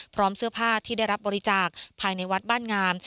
พร้อมเสื้อผ้าที่ได้รับบริจาคภายในวัดบ้านงาม